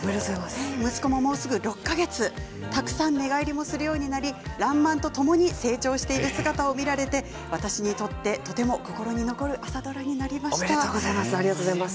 息子ももうすぐ６か月たくさん寝返りもするようになり「らんまん」とともに成長している姿を見られて私にとっておめでとうございます。